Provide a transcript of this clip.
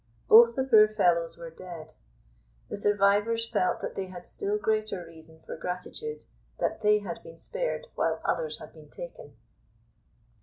Both the poor fellows were dead. The survivors felt that they had still greater reason for gratitude that they had been spared while others had been taken.